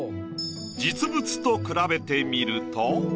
実物と比べてみると。